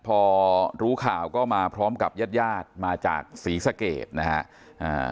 พอรู้ข่าวก็มาพร้อมกับญาติมาจากศรีสะเกดนะครับ